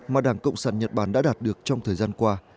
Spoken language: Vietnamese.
mà đảng cộng sản nhật bản đã đạt được trong thời gian qua